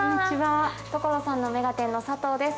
『所さんの目がテン！』の佐藤です